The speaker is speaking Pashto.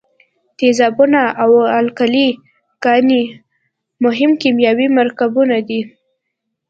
تیزابونه او القلي ګانې مهم کیمیاوي مرکبونه دي.